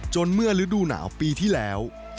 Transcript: เมื่อฤดูหนาวปีที่แล้ว